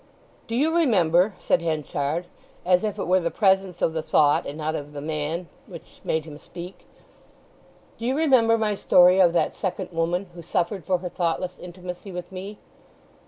"Do you remember," said Henchard, as if it were the presence of the thought and not of the man which made him speak, "do you remember my story of that second woman—who suffered for her thoughtless intimacy with me?"